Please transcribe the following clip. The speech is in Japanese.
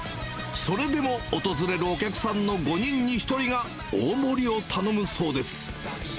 それでも訪れるお客さんの５人に１人が大盛りを頼むそうです。